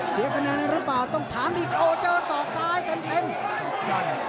เสียคะแนนนั้นหรือเปล่าต้องถามอีกโอ้เจอสองซ้ายเต็ม